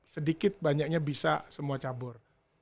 sedikit banyaknya bisa semua cabur